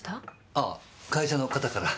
ああ会社の方から。